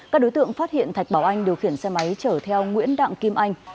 các đối tượng phát hiện thạch bảo anh điều khiển xe máy chở theo nguyễn đặng kim anh